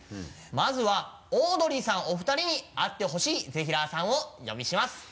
まずはオードリーさんお二人に会ってほしいぜひらーさんをお呼びします。